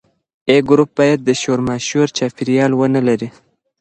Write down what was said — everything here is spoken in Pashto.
A ګروپ باید شورماشور چاپیریال ونه لري.